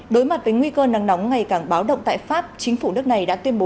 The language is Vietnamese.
đối mặt với nguy cơ nắng nóng ngày càng báo động tại pháp chính phủ nước này đã tuyên bố